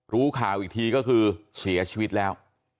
รู้ข่าวอีกทีก็คือเสียชีวิตแล้ว